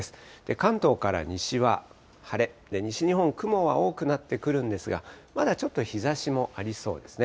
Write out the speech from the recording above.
関東から西は晴れ、西日本、雲は多くなってくるんですが、まだちょっと日ざしもありそうですね。